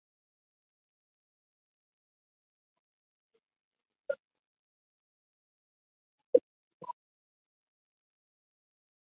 Fue escritor "conservador" de "Liberty".